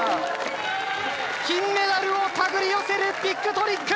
金メダルを手繰り寄せるビッグトリック！